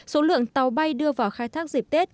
số lượng tàu bay đưa vào khai thác dịp tết